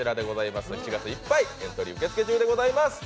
７月いっぱいエントリー受け付け中でございます。